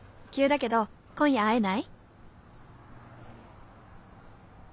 急だけど今夜会えない？」